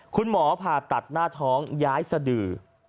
คุณหมอผ่าตัดหน้าท้องย้ายสดือ